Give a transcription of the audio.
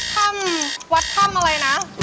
ท่ำวัดท่ำอะไรน่ะ